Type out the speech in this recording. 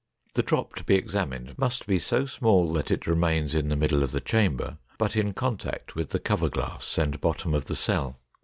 The drop to be examined must be so small that it remains in the middle of the chamber, but in contact with the cover glass and bottom of the cell.